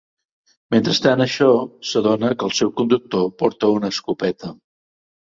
Mentre està en això, s'adona que el seu conductor porta una escopeta.